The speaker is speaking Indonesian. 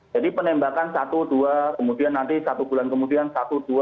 jadi penembakan satu dua kemudian nanti satu bulan kemudian satu dua